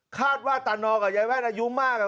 คาดว่าตานอกับยายแว่นอายุมาก